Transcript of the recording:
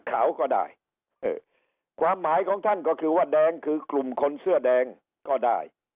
ขาวก็ได้เออความหมายของท่านก็คือว่าแดงคือกลุ่มคนเสื้อแดงก็ได้